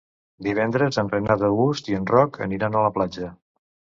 Divendres en Renat August i en Roc aniran a la platja.